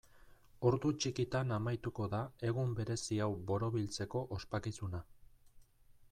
Ordu txikitan amaituko da egun berezi hau borobiltzeko ospakizuna.